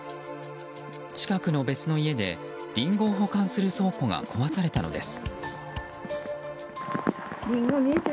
近くの別の家でリンゴを保管する倉庫が壊されたのです。